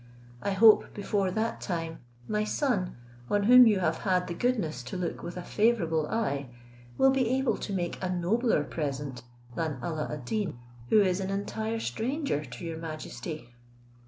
I hope, before that time, my son, on whom you have had the goodness to look with a favourable eye, will be able to make a nobler present than Alla ad Deen, who is an entire stranger to Your majesty."